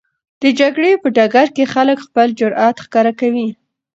د جګړې په ډګر کې خلک خپل جرئت ښکاره کوي.